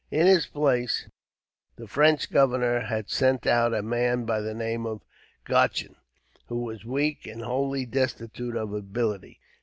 In his place, the French governor had sent out a man by the name of Godchen, who was weak and wholly destitute of ability.